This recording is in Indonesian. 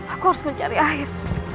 aku harus mencari air